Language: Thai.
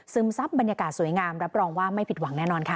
ซับบรรยากาศสวยงามรับรองว่าไม่ผิดหวังแน่นอนค่ะ